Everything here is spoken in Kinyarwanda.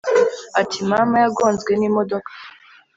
ati:mama yagonzwe nimodoka